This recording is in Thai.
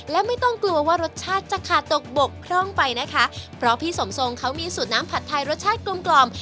และไม่ต้องกลัวว่ารสชาติจะขาดตกบกพร่องไปนะคะเพราะพี่สมทรงเขามีสูตรน้ำผัดไทยรสชาติกลมกล่อม